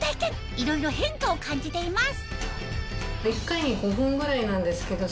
いろいろ変化を感じています